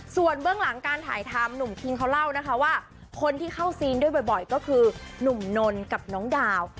ส่วนเบื้องหลังการถ่ายทำหนุ่มคิงเขาเล่านะคะว่าคนที่เข้าซีนด้วยบ่อยก็คือหนุ่มนนกับน้องดาว